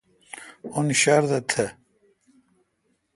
اون شردہ تھ۔